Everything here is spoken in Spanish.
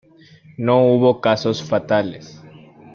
No hubo casos fatales.